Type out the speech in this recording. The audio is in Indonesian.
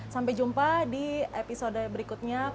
sampai jumpa di episode berikutnya